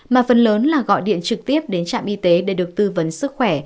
mà phần lớn là gọi điện trực tiếp đến trạm y tế để được tư vấn sức khỏe